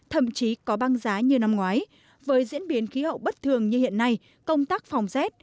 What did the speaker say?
thậm chí có băng giá như năm ngoái với diễn biến khí hậu bất thường như hiện nay công tác phòng rét